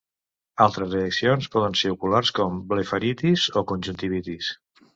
Altres reaccions poden ser oculars com blefaritis o conjuntivitis.